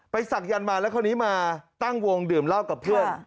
ไปศักดิ์ยันตร์มาแล้วคนนี้มาตั้งวงดื่มลาวกับเพื่อน